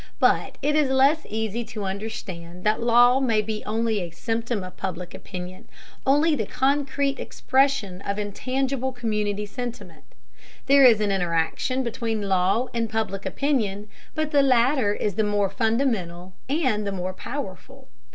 But it is less easy to understand that law may be only a symptom of Public Opinion, only the concrete expression of intangible community sentiment. There is an interaction between law and Public Opinion, but the latter is the more fundamental and the more powerful.